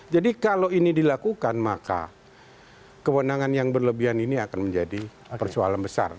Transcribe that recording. jadi kalau ini dilakukan maka kewenangan yang berlebihan ini akan menjadi persoalan besar